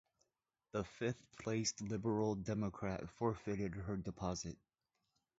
The fifth-placed Liberal Democrat forfeited her deposit.